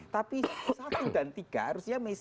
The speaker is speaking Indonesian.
tapi satu dan tiga harusnya